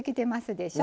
でしょ